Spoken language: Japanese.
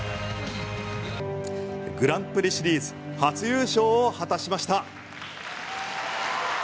グランプリシリーズ初優勝を果たしました。